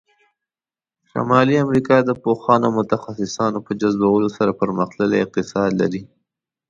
شمالي امریکا د پوهانو او متخصصانو په جذبولو سره پرمختللی اقتصاد ولری.